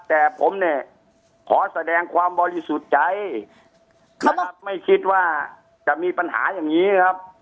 แต่ผมเนี่ยขอแสดงความบริสุทธิ์ใจนะครับไม่คิดว่าจะมีปัญหาอย่างนี้ครับ